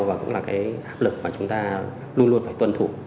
và cũng là cái áp lực mà chúng ta luôn luôn phải tuân thủ